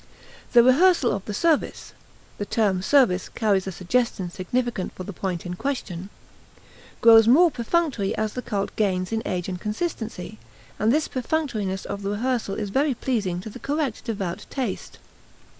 The rehearsal of the service (the term "service" carries a suggestion significant for the point in question) grows more perfunctory as the cult gains in age and consistency, and this perfunctoriness of the rehearsal is very pleasing to the correct devout taste.